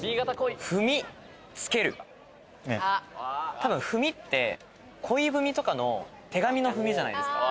たぶん「ふみ」って恋文とかの手紙の「文」じゃないですか。